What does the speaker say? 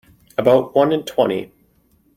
About one in twenty.